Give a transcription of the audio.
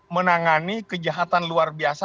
menangani kejahatan luar biasa